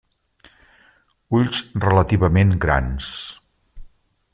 Ulls relativament grans.